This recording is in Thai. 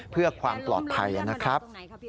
เพื่อความปลอดภัยนะครับ